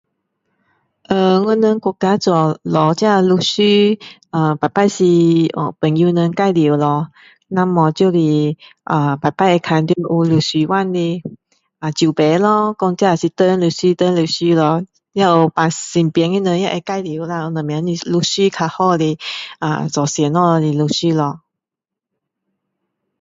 呃我们国家做找这律师呃每次是朋友们介绍咯要不就是呃每次会看律师馆的有招牌咯讲这谁律师谁律师咯也有身边的人会介绍啦有什么律师较好的呃做什么的律师咯